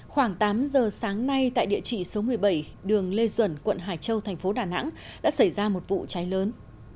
khoảng tám giờ sáng nay tại địa chỉ số một mươi bảy đường lê duẩn quận hải châu thành phố đà nẵng đã xảy ra một vụ cháy lớn